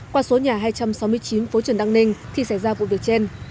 qua số nhà hai trăm sáu mươi chín phố trần đăng ninh thì xảy ra vụ việc trên